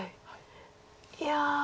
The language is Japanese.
いや。